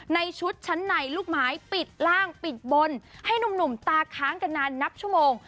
ในชุดชั้นในลูกไม้ปิดล่างปิดบนให้หนุ่มตาค้างกันนานนับชั่วโมง